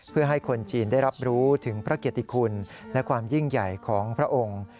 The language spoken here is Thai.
เพื่อให้คนจีนได้รับรู้ถึงพระเกียรติคุณและความยิ่งใหญ่ของพระองค์